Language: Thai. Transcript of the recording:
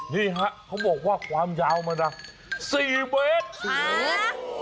นี่ฮะเขาบอกว่าความยาวมันนะ๔เมตร